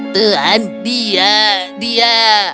tuhan dia dia